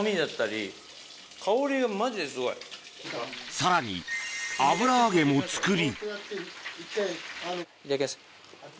さらに油揚げも作りいただきます。